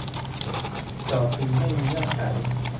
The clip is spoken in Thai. จอดฟรีไม่มีเงื่อนไข